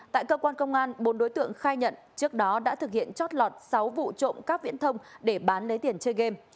tại cơ quan công an bốn đối tượng khai nhận trước đó đã thực hiện chót lọt sáu vụ trộm cắp viễn thông để bán lấy tiền chơi game